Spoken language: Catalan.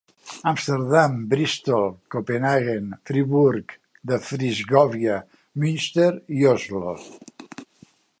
Amsterdam, Bristol, Copenhaguen, Friburg de Brisgòvia, Münster i Oslo.